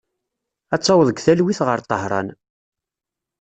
Ad taweḍ deg talwit ɣer Tahran.